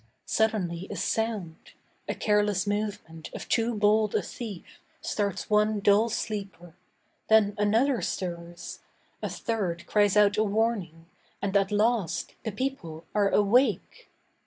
Suddenly a sound— A careless movement of too bold a thief— Starts one dull sleeper; then another stirs, A third cries out a warning, and at last The people are awake!